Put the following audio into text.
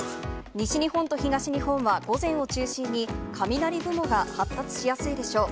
西日本と東日本は、午前を中心に、雷雲が発達しやすいでしょう。